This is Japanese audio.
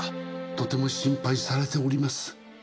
とても心配されております。